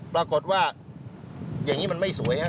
ปรากฏว่าอย่างนี้มันไม่สวยครับ